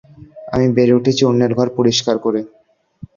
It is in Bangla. আমি বেড়ে উঠেছি অন্যের ঘর পরিষ্কার করে।